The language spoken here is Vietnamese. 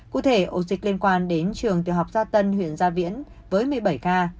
cụ thể ổ dịch liên quan đến trường tiểu học gia tân huyện gia viễn với một mươi bảy ca